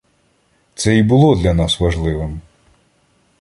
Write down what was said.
Це і було для нас важливим.